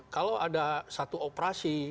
kalau ada satu operasi